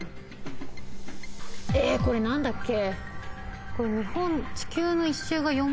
えぇこれ何だっけ？